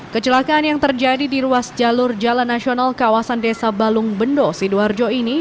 kecelakaan yang terjadi di ruas jalur jalan nasional kawasan desa balung bendo sidoarjo ini